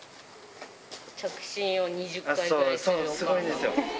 着信を２０回くらいする。